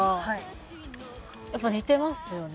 やっぱ似てますよね。